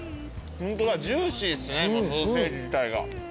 ホントだジューシーっすねもうソーセージ自体が。